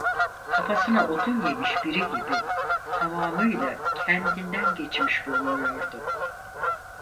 Kafasına odun yemiş biri gibi, tamamıyla kendinden geçmiş bulunuyordu.